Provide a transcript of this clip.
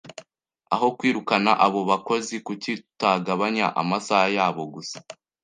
Aho kwirukana abo bakozi, kuki tutagabanya amasaha yabo gusa?